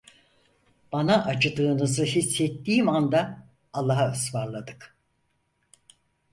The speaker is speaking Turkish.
Bana acıdığınızı hissettiğim anda allahaısmarladık!